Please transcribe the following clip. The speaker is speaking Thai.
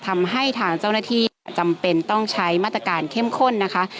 ทำให้ทางเจ้าหน้าที่จำเป็นต้องใช้มาตรการเข้มข้นนะคะ